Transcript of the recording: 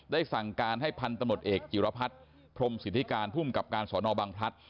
ได้สั่งการให้พันตำรวจเอกจิรพรรดิพรมสิทธิการผู้บังคับการสอนอบังพลัด